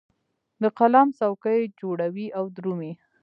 د قلم څوکې جوړوي او درومې